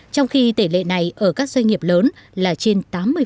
trong khi tỷ lệ này ở các doanh nghiệp lớn là trên tám mươi